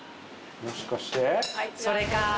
もしかして？